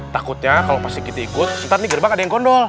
takutnya kalau paski kita ikut nanti gerbang ada yang gondol